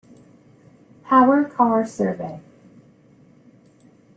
Power Car Survey.